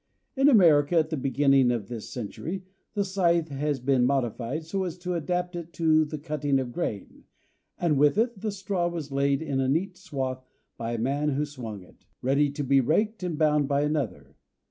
In America at the beginning of this century, the scythe had been modified so as to adapt it to the cutting of grain, and with it the straw was laid in a neat swath by the man who swung it, ready to be raked and bound by another.